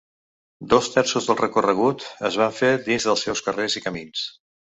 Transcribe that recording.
Dos terços del recorregut es van fer dins dels seus carres i camins.